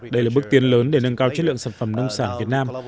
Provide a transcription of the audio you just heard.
đây là bước tiến lớn để nâng cao chất lượng sản phẩm nông sản việt nam